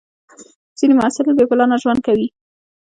ځینې محصلین بې پلانه ژوند کوي.